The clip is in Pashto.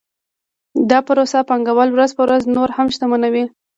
دا پروسه پانګوال ورځ په ورځ نور هم شتمنوي